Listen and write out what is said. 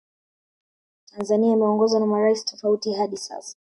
Tanzania imeongozwa na maraisi tofauti hadi sasa